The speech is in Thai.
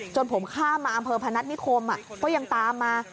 จนผมข้ามมาอำเภอพนัฐนิคมก็ยังตามมา